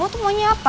mau tuh maunya apa